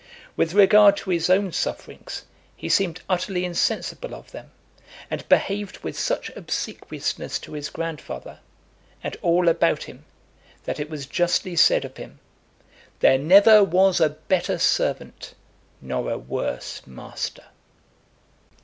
With regard to his own sufferings, he seemed utterly insensible of them, and behaved with such obsequiousness to his grandfather and all about him, that it was justly said of him, "There never was a better servant, nor a worse master."